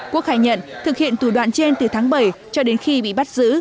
quốc khai nhận thực hiện thủ đoạn trên từ tháng bảy cho đến khi bị bắt giữ